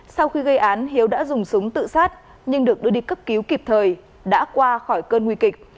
sau khi gây án hiếu đã dùng súng tự sát nhưng được đưa đi cấp cứu kịp thời đã qua khỏi cơn nguy kịch